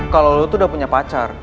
kalo lo tuh udah punya pacar